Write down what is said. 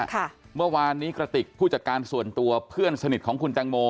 เมื่อวานนี้กระติกผู้จัดการส่วนตัวเพื่อนสนิทของคุณแตงโม